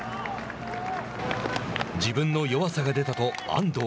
自分の弱さが出たと、安藤。